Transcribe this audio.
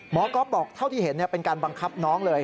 ก๊อฟบอกเท่าที่เห็นเป็นการบังคับน้องเลย